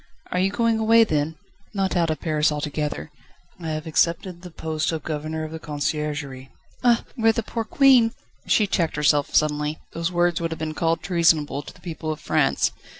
"Are you going away then?" "Not out of Paris altogether. I have accepted the post of Governor of the Conciergerie." "Ah! where the poor Queen ..." She checked herself suddenly. Those words would have been called treasonable to the people of France.